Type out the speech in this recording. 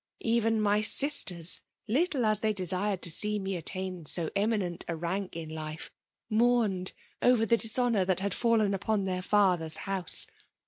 Even my sisters, little as they desired to see me attain so eminent a rank in life, mourned over the dishonour that had fallen upon their father s house.